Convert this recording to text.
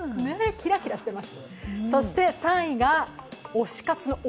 キラキラしています。